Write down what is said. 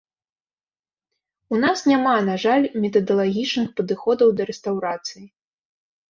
У нас няма, на жаль, метадалагічных падыходаў да рэстаўрацыі.